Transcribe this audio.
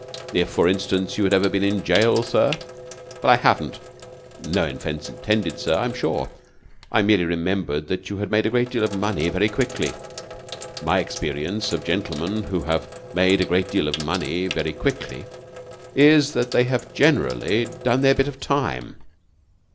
"If, for instance, you had ever been in jail, sir?" "Well, I haven't." "No offense intended, sir, I'm sure. I merely remembered that you had made a great deal of money very quickly. My experience of gentlemen who have made a great deal of money very quickly is that they have generally done their bit of time.